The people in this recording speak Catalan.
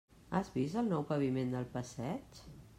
Has vist el nou paviment del passeig?